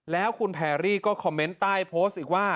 แล้วคุณแพรรี่ก็คอมเมนต์ใต้โพสต์อีกว่า